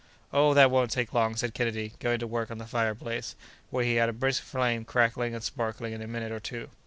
"Oh! that won't take long," said Kennedy, going to work on the fireplace, where he had a brisk flame crackling and sparkling in a minute or two.